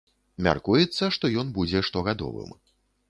Мяркуецца, што ён будзе штогадовым.